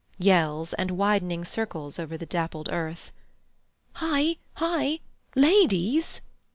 Yells, and widening circles over the dappled earth. "Hi! hi! _Ladies!